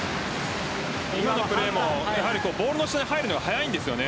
今のプレーもボールの下に入るのが速いんです。